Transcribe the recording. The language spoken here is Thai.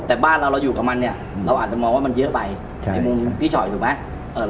แต่บ้านเราเราอยู่กับมันเนี่ยเราอาจจะมองว่ามันเยอะไปในมุมพี่ฉอยถูกไหม